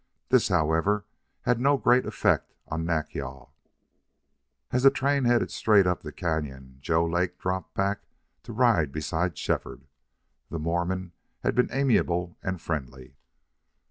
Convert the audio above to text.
This, however, had no great effect upon Nack yal. As the train headed straight up the cañon Joe Lake dropped back to ride beside Shefford. The Mormon had been amiable and friendly.